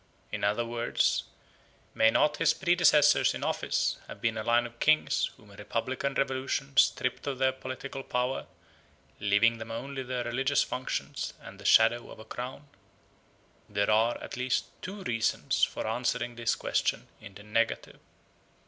In other words, may not his predecessors in office have been a line of kings whom a republican revolution stripped of their political power, leaving them only their religious functions and the shadow of a crown? There are at least two reasons for answering this question in the negative.